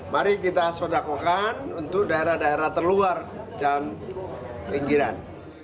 mari kita sodakokan untuk daerah daerah terluar dan pinggiran